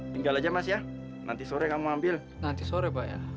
tinggal aja masih nanti sore kamu ambil nanti sore